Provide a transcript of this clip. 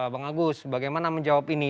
bang agus bagaimana menjawab ini